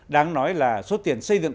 đáng nói là số tiền xây dựng